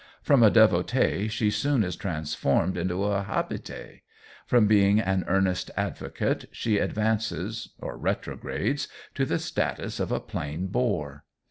From a devotee she soon is transformed into a habitee. From being an earnest advocate she advances or retrogrades to the status of a plain bore.